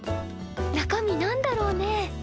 中身何だろうね？